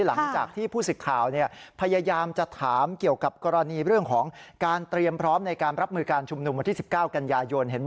หลังจากที่ผู้สิทธิ์ข่าวพยายามจะถามเกี่ยวกับกรณีเรื่องของการเตรียมพร้อมในการรับมือการชุมนุมวันที่๑๙กันยายน